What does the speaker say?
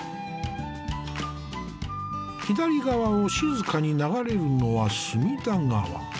左側を静かに流れるのは隅田川。